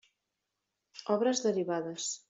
Obres derivades.